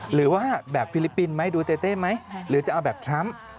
หรือว่าแบบฟิลิปปินส์ไหมดูเต้ไหมหรือจะเอาแบบทรัมป์